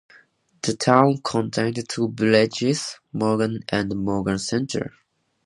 The town contains two villages: Morgan and Morgan Center.